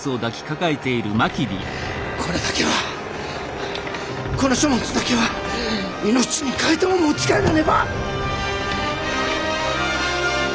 これだけはこの書物だけは命に代えても持ち帰らねば！